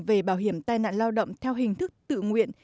về bảo hiểm tai nạn lao động theo hình thức tự nguyện